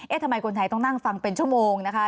ทำไมคนไทยต้องนั่งฟังเป็นชั่วโมงนะคะ